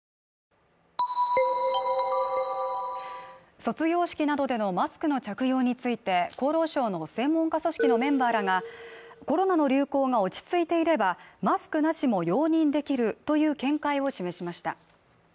卒業式などでのマスクの着用について厚労省の専門家組織のメンバーらがコロナの流行が落ち着いていればマスクなしも容認できるという見解を示しました